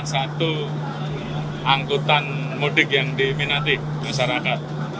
jadi salah satu angkutan mudik yang diminati masyarakat